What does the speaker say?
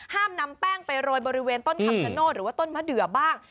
ห้ามนำแป้งไปโรยบริเวณต้นคำชโนธหรือว่าต้นมะเดือบ้าง